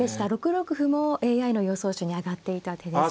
６六歩もＡＩの予想手に挙がっていた手です。